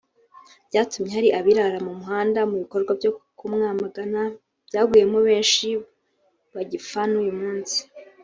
byatumye hari abirara mu mihanda mu bikorwa byo kumwamagana byaguyemo benshi bagipfa n’uyu munsi